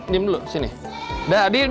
diam dulu sini